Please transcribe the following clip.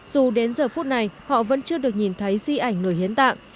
dù đến giờ phút này họ vẫn chưa được nhìn thấy di ảnh người hiến tạng